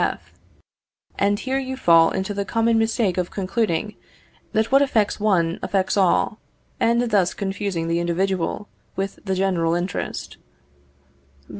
F. And here you fall into the common mistake of concluding that what affects one affects all, and thus confusing the individual with the general interest.